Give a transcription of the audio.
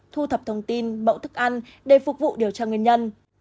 thu thập thông tin bậu thức ăn để phục vụ điều tra nguyên nhân